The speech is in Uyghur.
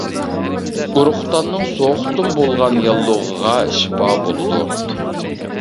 ئۇرۇقداننىڭ سوغۇقتىن بولغان ياللۇغىغا شىپا بولىدۇ.